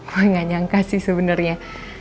gue gak nyangka sih sebenernya